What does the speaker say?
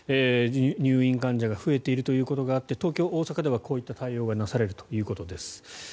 入院患者が増えているということがあって東京、大阪ではこういった対応がなされるということです。